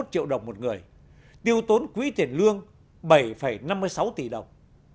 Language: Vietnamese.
ba mươi hai ba mươi một triệu đồng một người tiêu tốn quỹ tiền lương bảy năm mươi sáu tỷ đồng